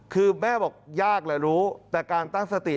คือแม่บอกยากแหละรู้แต่การตั้งสติ